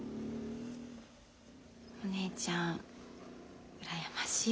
お姉ちゃん羨ましい。